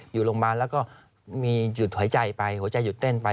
อยู่โรงพยาบาลแล้วก็มีหัวใจหยุดเต้นไป